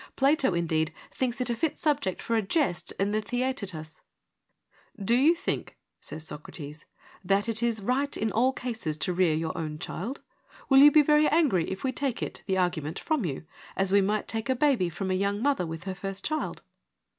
Plato, indeed, thinks it a fit subject for a jest in the Thesetetus (p. 161). ' Do you think,' says Socrates, ' that it is right in all cases to rear your own child ? Will you be very angry if we take it — the argument — from you, as we might take a baby from a young mother with her first child